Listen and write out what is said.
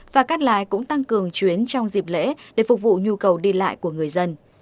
và cắt lái cũng tăng cường chuyến trong dịp lễ để phục vụ nhu cầu đi lại của người dân